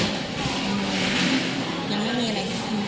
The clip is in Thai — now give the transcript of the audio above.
ยังไม่มีอะไร